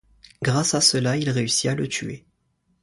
Grâce à cela, il réussit à le tuer.